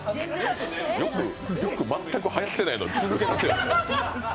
よく、全くはやってないの続けてますよね。